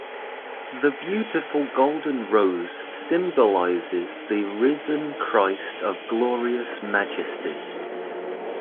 The beautiful Golden Rose symbolizes the Risen Christ of glorious majesty.